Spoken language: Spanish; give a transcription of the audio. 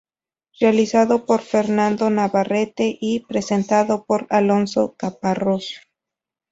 Realizado por Fernando Navarrete y presentado por Alonso Caparrós.